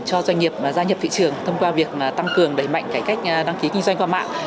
cho doanh nghiệp gia nhập thị trường thông qua việc tăng cường đẩy mạnh cải cách đăng ký kinh doanh qua mạng